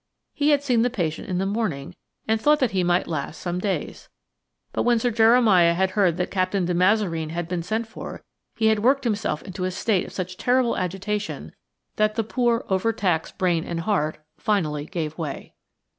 He had seen the patient in the morning and thought that he might last some days. But when Sir Jeremiah had heard that Captain de Mazareen had been sent for he had worked himself into a state of such terrible agitation that the poor, overtaxed brain and heart finally gave way.